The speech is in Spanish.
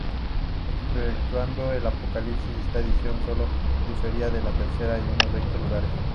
Exceptuando el Apocalipsis, esta edición sólo difería de la tercera en unos veinte lugares.